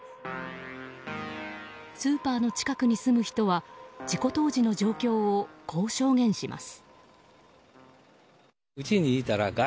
スーパーの近くに住む人は事故当時の状況をこう証言します。